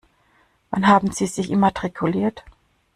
Wann haben Sie sich immatrikuliert?